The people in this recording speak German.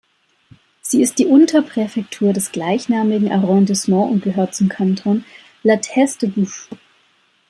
Sie ist die Unterpräfektur des gleichnamigen Arrondissement und gehört zum Kanton La Teste-de-Buch.